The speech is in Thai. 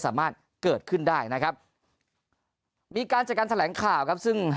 สามารถเกิดขึ้นได้นะครับมีการจัดการแถลงข่าวครับซึ่ง